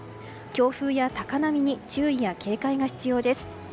強風や高波に注意や警戒が必要です。